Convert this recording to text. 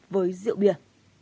với rượu bia